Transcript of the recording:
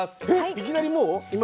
いきなりもう今？